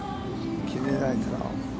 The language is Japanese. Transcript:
決めないと。